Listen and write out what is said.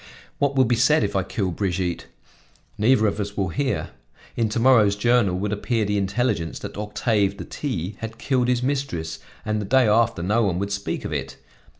What will be said if I kill Brigitte? Neither of us will hear. In to morrow's journal would appear the intelligence that Octave de T had killed his mistress, and the day after no one would speak of it.